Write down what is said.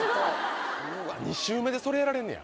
２周目でそれやられんねや。